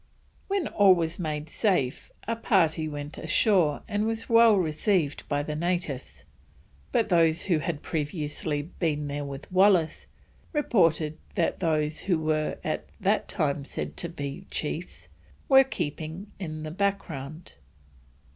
When all was made safe, a party went ashore and was well received by the natives, but those who had previously been there with Wallis reported that those who were at that time said to be chiefs, were keeping in the background.